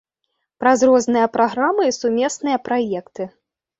Праз розныя праграмы і сумесныя праекты.